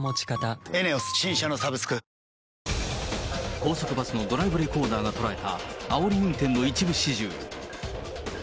高速バスのドライブレコーダーが捉えたあおり運転の一部始終。